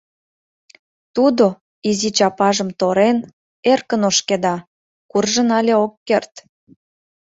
Тудо, изи чапажым торен, эркын ошкеда, куржын але ок керт.